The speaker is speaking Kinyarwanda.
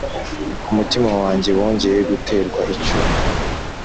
umutima wanjye wongeye guterwa icyuma.